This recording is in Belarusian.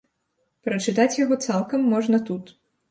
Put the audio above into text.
Пачытаць яго цалкам можна тут.